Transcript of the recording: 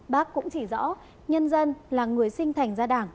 bác cũng chỉ rõ nhân dân là người sinh thành ra đảng